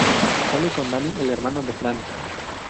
Sale con Dani, el hermano de Fran.